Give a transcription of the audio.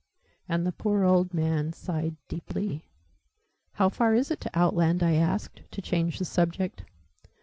And the poor old man sighed deeply. "How far is it to Outland?" I asked, to change the subject.